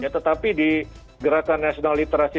tetapi di gerakan nasional literasi